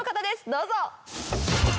どうぞ！